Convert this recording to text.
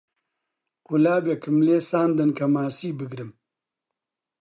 قولاپێکم لێ ساندن کە ماسی بگرم